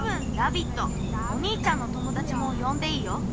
おにいちゃんのともだちもよんでいいよ。